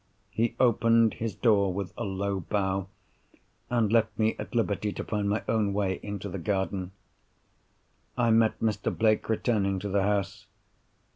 He opened his door with a low bow, and left me at liberty to find my own way into the garden. I met Mr. Blake returning to the house.